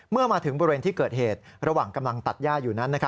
เมื่อมาถึงบริเวณที่เกิดเหตุระหว่างกำลังตัดย่าอยู่นั้น